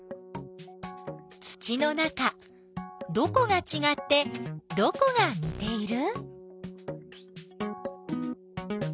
土の中どこがちがってどこがにている？